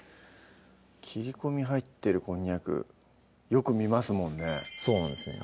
切り込み入ってるこんにゃくよく見ますもんねそうなんですね